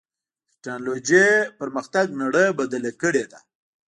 د ټکنالوجۍ پرمختګ نړۍ بدلې کړې ده.